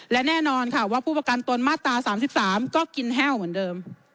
และแน่นอนค่ะว่าผู้ประกันตนมาตรา๓๓ก็กินแห้วเหมือนเดิม